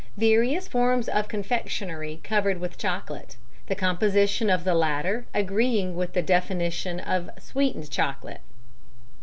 _ Various forms of confectionery covered with chocolate, the composition of the latter agreeing with the definition of sweetened chocolate.